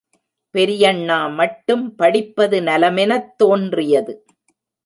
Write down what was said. பெரியண்ணா மட்டும் படிப்பது நலமெனத் தோன்றியது.